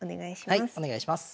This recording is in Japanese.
はいお願いします。